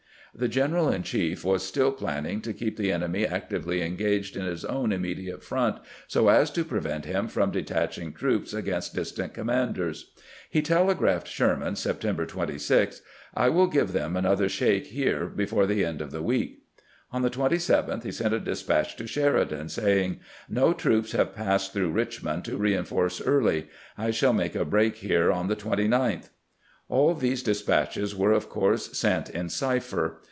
The general in chief was still planning to keep the enemy actively engaged in his own immediate front, so as to prevent him from detaching troops against distant commanders. He telegraphed Sherman September 26 :" I will give them another shake here before the end of the week." On the 27th he sent a despatch to Sheridan, saying: "... No troops have passed through Eich mond to reinforce Early. I shall make a break here on the 29th." All these despatches were of course sent in cipher.